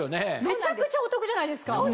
めちゃくちゃお得じゃないですか！